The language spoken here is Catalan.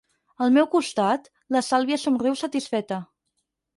Al meu costat, la Sàlvia somriu satisfeta.